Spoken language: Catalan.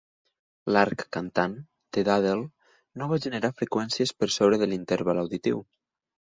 L'"arc cantant" de Duddell no va generar freqüències per sobre de l'interval auditiu.